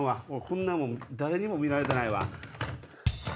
こんなもん誰にも見られたないわ。